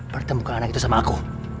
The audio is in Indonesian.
pertemukan anak itu sama aku